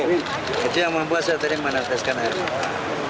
itu yang membuat saya meneteskan air mata